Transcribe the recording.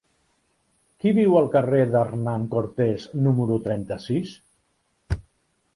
Qui viu al carrer d'Hernán Cortés número trenta-sis?